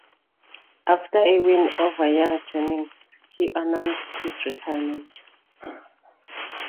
After a win over Young Jennings, he announced his retirement.